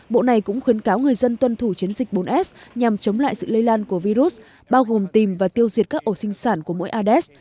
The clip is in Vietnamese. bộ này cũng khuyến cáo người dân tuân thủ chiến dịch bốn s nhằm chống lại sự lây lan của virus bao gồm tìm và tiêu diệt các ổ sinh sản của mỗi ades